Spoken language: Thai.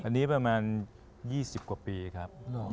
อันนี้ประมาณ๒๐กว่าปีครับ